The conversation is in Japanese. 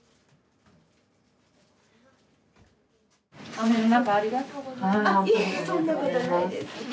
雨の中、ありがとうございます。